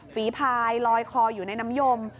ฝีพายลอยคออยู่ในน้ำยม